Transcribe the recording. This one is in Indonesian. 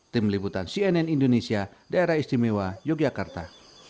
tim liputan cnn indonesia daerah istimewa yogyakarta